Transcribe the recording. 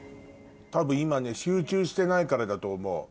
多分今ね集中してないからだと思う。